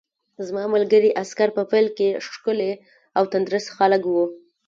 زما ملګري عسکر په پیل کې ښکلي او تندرست خلک وو